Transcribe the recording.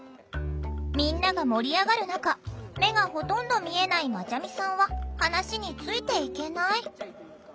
みんなが盛り上がる中目がほとんど見えないまちゃみさんは話についていけない。